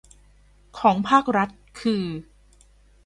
ของภาครัฐคือ